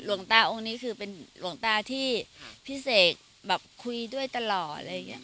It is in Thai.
หลวงตาองค์นี้คือเป็นหลวงตาที่พี่เสกคุยด้วยตลอด